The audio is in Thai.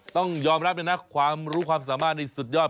ต้องยอมรับเลยนะความรู้ความสามารถนี่สุดยอด